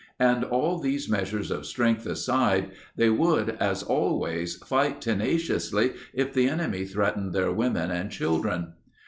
And all these measures of strength aside, they would, as always, fight tenaciously if the enemy threatened their women and children.